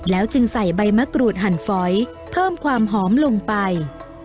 จึงใส่ใบมะกรูดหั่นฟอยเพิ่มความหอมลงไป